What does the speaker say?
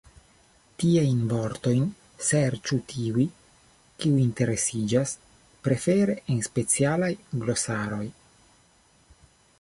Tiajn vortojn serĉu tiuj, kiuj interesiĝas, prefere en specialaj glosaroj.